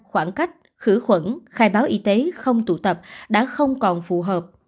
khoảng cách khử khuẩn khai báo y tế không tụ tập đã không còn phù hợp